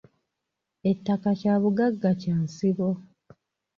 Ettaka kya bugagga kya nsibo.